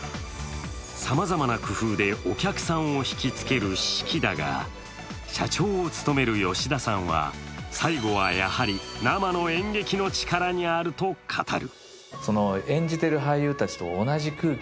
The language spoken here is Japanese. さまざまな工夫でお客さんを引きつける四季だが社長を務める吉田さんは最後はやはり生の演劇の力にあると語る。